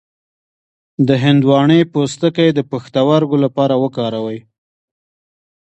د هندواڼې پوستکی د پښتورګو لپاره وکاروئ